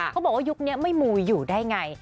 เขาบอกว่ายุคนี้ไม่มูอยู่ได้ไง